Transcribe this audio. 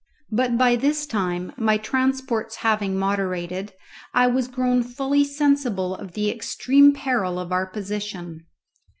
But by this time, my transports having moderated, I was grown fully sensible of the extreme peril of our position.